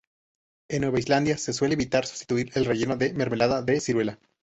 En Nueva Islandia, se suele evitar sustituir el relleno de mermelada de ciruela.